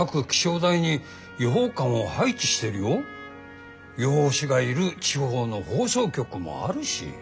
予報士がいる地方の放送局もあるし。